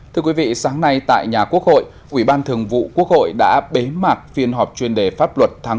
thưa quý vị sáng nay tại nhà quốc hội ủy ban thường vụ quốc hội đã bế mạc phiên họp chuyên đề pháp luật tháng bốn